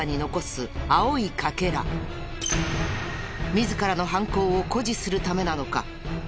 自らの犯行を誇示するためなのか？